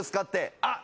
あっ。